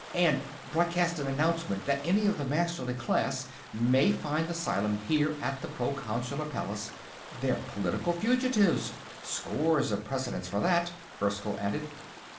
"And broadcast an announcement that any of the Masterly class may find asylum here at the Proconsular Palace. They're political fugitives; scores of precedents for that," Erskyll added.